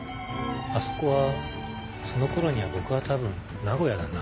あそこはその頃には僕は多分名古屋だな。